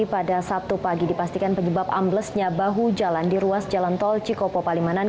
pada sabtu pagi dipastikan penyebab amblesnya bahu jalan di ruas jalan tol cikopo palimanan